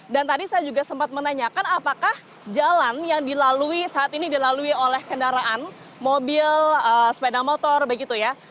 dan tadi saya juga sempat menanyakan apakah jalan yang dilalui saat ini dilalui oleh kendaraan mobil sepeda motor begitu ya